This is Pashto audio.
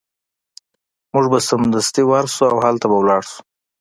موږ به سمدستي ورشو او هلته به لاړ شو